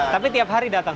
tapi tiap hari datang